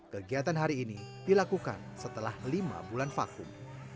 kegiatan hari ini dilakukan setelah lima bulan vakum